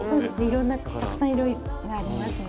いろんなたくさん色がありますので。